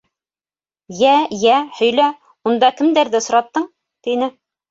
— Йә, йә, һөйлә, унда кемдәрҙе осраттың? — тине.